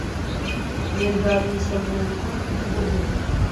Niga mu isomero rikuru ry’igihugu.